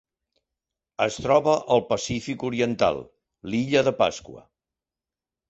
Es troba al Pacífic oriental: l'illa de Pasqua.